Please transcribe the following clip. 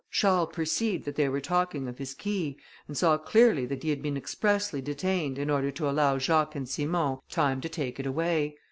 Charles perceived that they were talking of his key, and saw clearly that he had been expressly detained, in order to allow Jacques and Simon time to take it away.